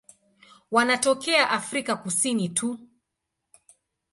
Wanatokea Afrika Kusini tu.